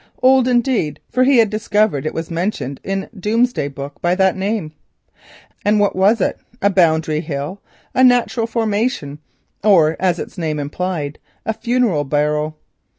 Old, indeed! for he had discovered it was mentioned in Doomday Book and by that name. And what was it—a boundary hill, a natural formation, or, as its name implied, a funeral barrow?